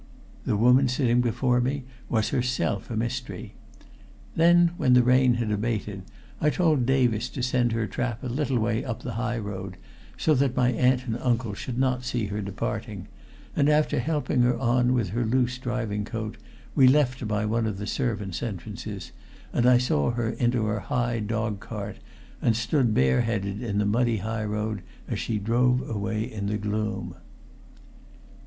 The woman sitting before me was herself a mystery. Then, when the rain had abated, I told Davis to send her trap a little way up the high road, so that my aunt and uncle should not see her departing; and after helping her on with her loose driving coat, we left by one of the servants' entrances, and I saw her into her high dog cart and stood bareheaded in the muddy high road as she drove away into the gloom.